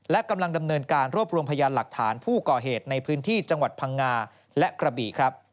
และกำลังดำเนินการรวบรวมพยานหลักฐานผู้ก่อเหตุในพื้นที่จังหวัดพังงาและกระบี่ครับ